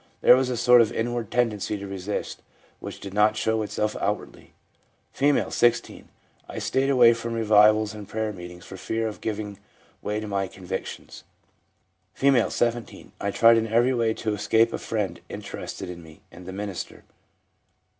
There was a sort of inward tendency to resist, which did not show itself outwardly/ F., 16. 'I stayed away from revivals and prayer meetings for fear of giving way to my convictions.' F., 17. ' I tried in every way to escape a friend interested in me, and the minister.